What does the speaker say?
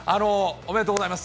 おめでとうございます。